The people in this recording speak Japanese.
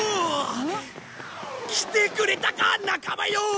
ん？来てくれたか仲間よ！